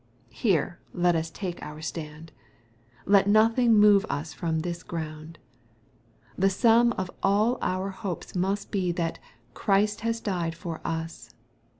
Here let us take our stand. Let nothing move us from this ground. The sum of all our hopes must be, that " Christ has died for us."